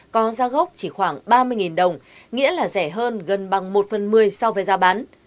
có gia gốc chỉ khoảng ba mươi đồng nghĩa là rẻ hơn gần bằng một phần một mươi so với giá bán